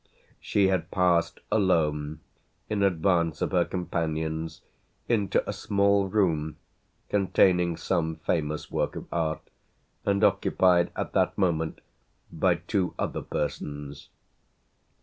She had passed alone, in advance of her companions, into a small room containing some famous work of art and occupied at that moment by two other persons.